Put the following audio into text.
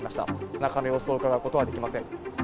中の様子をうかがうことはできません。